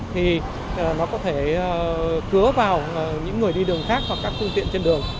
thì nó có thể cứa vào những người đi đường khác hoặc các phương tiện trên đường